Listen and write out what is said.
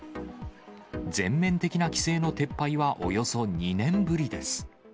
全面的な規制の撤廃は、およそ２年ぶりです。